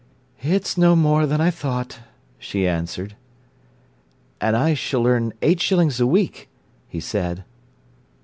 "It's no more than I thought," she answered. "An' I s'll earn eight shillings a week," he said.